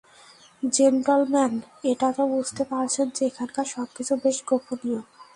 Gentleman, এটা তো বুঝতে পারছেন যে এখানকার সবকিছুই বেশ গোপনীয়?